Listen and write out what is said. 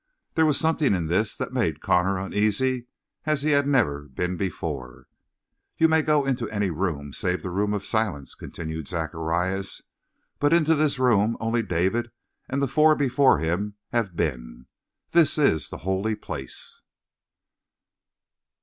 There was something in this that made Connor uneasy as he had never been before. "You may go into any room save the Room of Silence," continued Zacharias, "but into this room only David and the four before him have been. This is the holy place."